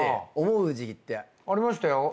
ありましたよ。